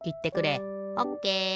オッケー。